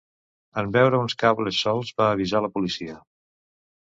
En veure uns cables solts va avisar la policia.